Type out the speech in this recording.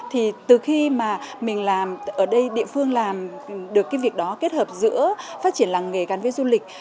thì từ khi mà mình làm ở đây địa phương làm được cái việc đó kết hợp giữa phát triển làng nghề gắn với du lịch